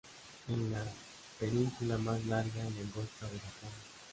Es la península más larga y angosta de Japón.